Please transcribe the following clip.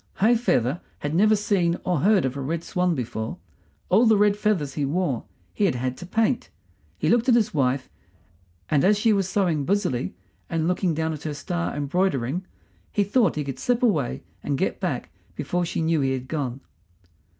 High feather had never seen or heard of a red swan before; all the red feathers he wore he had had to paint. He looked at his wife, and as she was sewing busily and looking down at her star embroidering he thought he could slip away and get back before she knew he had gone.